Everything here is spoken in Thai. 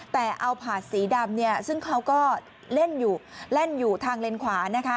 แต่เอาผ่าสีดำซึ่งเขาก็เล่นอยู่ทางเลนขวา